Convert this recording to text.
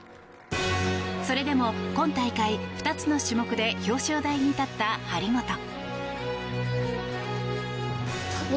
それでも今大会２つの種目で表彰台に立った張本。